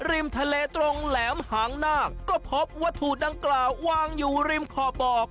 ริมทะเลตรงแหลมหางนาคก็พบวัตถุดังกล่าววางอยู่ริมขอบบ่อ